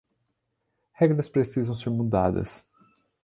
Regras precisam ser mudadas.